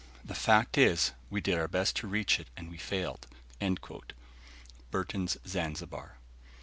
The fact is, we did our best to reach it, and we failed." Burton's Zanzibar.